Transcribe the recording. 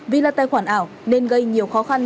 vì là tài khoản ảo nên gây nhiều khó khăn